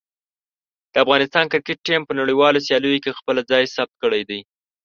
د افغانستان کرکټ ټیم په نړیوالو سیالیو کې خپله ځای ثبت کړی دی.